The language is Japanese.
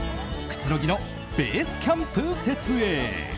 くつろぎのベースキャンプ設営。